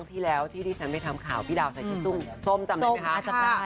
ที่แล้วที่ที่ฉันไปทำข่าวพี่ดาวใส่ชิ้นส้มส้มจำได้ไหมคะส้มอาจารย์ค่ะ